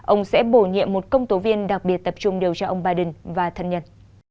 ông sẽ bổ nhiệm một công tố viên đặc biệt tập trung điều tra ông biden và thân nhân